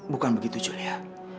bukan begitu julia